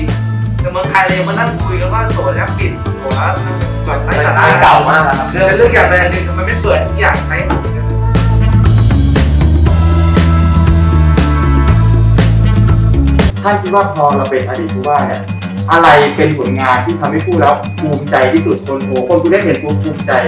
ตรงหัวคนกูได้เห็นผู้ปรุงใจ